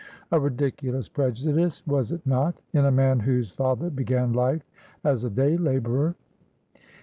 A ridiculous prejudice, was it not, in a man whose father began life as a day labourer